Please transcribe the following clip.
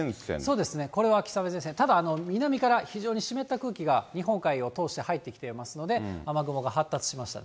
そうですね、秋雨前線、ただ、南から湿った空気が日本海を通して入ってきていますので、雨雲が発達しましたね。